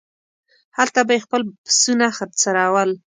هلته به یې خپل پسونه څرول.